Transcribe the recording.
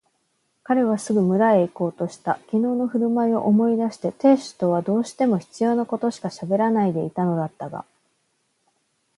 彼はすぐ村へいこうとした。きのうのふるまいを思い出して亭主とはどうしても必要なことしかしゃべらないでいたのだったが、